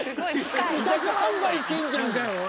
委託販売してんじゃんかよ。